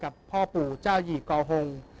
พ่อปู่เจ้าหยี่กอฮง